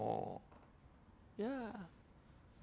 bukan kita mau